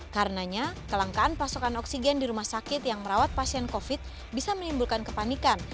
karenanya kelangkaan pasokan oksigen di rumah sakit yang merawat pasien covid bisa menimbulkan kepanikan